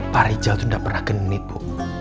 pak rijal itu tidak pernah genit bu